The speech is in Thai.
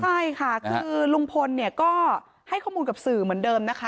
ใช่ค่ะคือลุงพลเนี่ยก็ให้ข้อมูลกับสื่อเหมือนเดิมนะคะ